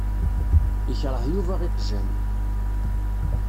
Yekṛeh Yuba iqjan.